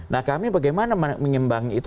nah kami bagaimana menyembangi itu